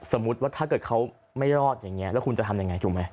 สมมุติว่าถ้าเขาไม่รอดอย่างนี้แล้วคุณจะทำอย่างไรจริงไหม